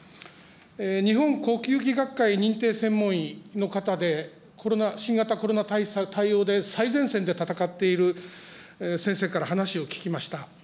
日本呼吸器学会認定専門医の方で、新型コロナ対応で最前線で闘っている先生から話を聞きました。